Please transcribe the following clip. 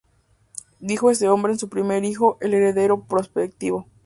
Dio este nombre a su primer hijo, el heredero prospectivo.